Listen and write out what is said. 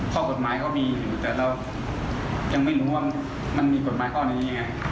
ข้อกฎหมายเขามีอยู่แต่เรายังไม่รู้ว่ามันมีกฎหมายข้อนี้ยังไง